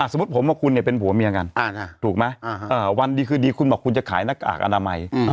สมมุติผมว่าคุณเนี่ยเป็นผัวเมียกันถูกไหมวันดีคืนดีคุณบอกคุณจะขายหน้ากากอนามัย